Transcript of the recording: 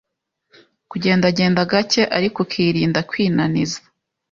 Kugendagenda gake ariko ukirinda kwinaniza.